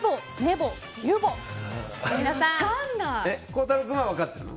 孝太郎君は分かってるの？